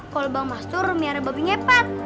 kalau bang mastur punya babi ngepet